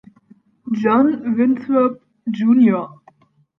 John Winthrop, Jr.